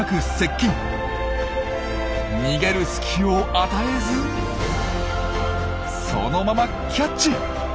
逃げる隙を与えずそのままキャッチ。